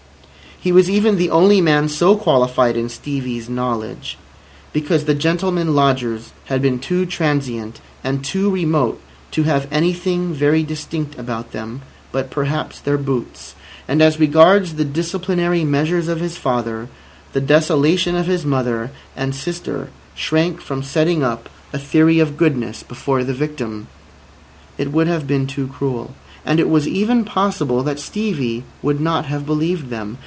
He was even the only man so qualified in Stevie's knowledge, because the gentlemen lodgers had been too transient and too remote to have anything very distinct about them but perhaps their boots; and as regards the disciplinary measures of his father, the desolation of his mother and sister shrank from setting up a theory of goodness before the victim. It would have been too cruel. And it was even possible that Stevie would not have believed them.